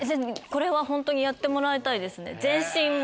これはホントにやってもらいたいですね。